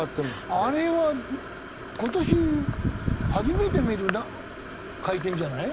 あれは今年初めて見る回転じゃない？